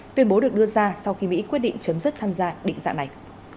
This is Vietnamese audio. tuyên bố được đưa ra sau khi mỹ quyết định chấm dứt tham gia định dạng này